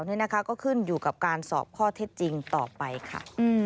นี่นะคะก็ขึ้นอยู่กับการสอบข้อเท็จจริงต่อไปค่ะ